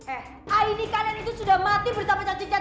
eh aini kalian itu sudah mati bersama cacing cacing tanah